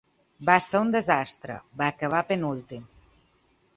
Va ser un desastre: va acabar penúltim.